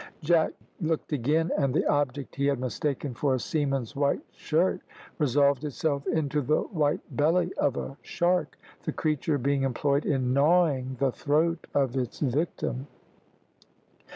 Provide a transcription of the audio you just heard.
Jack looked again, and the object he had mistaken for a seaman's white shirt resolved itself into the white belly of a shark, the creature being employed in gnawing the throat of its victim.